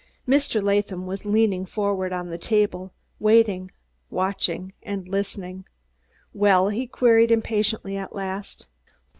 Mr. Latham was leaning forward on the table, waiting, watching, listening. "Well?" he queried impatiently, at last.